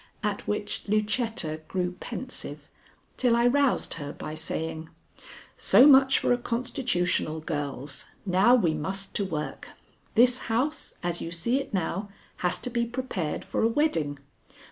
At which Lucetta grew pensive, till I roused her by saying: "So much for a constitutional, girls. Now we must to work. This house, as you see it now, has to be prepared for a wedding.